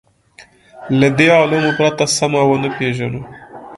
له دې علومو پرته سمه ونه پېژنو.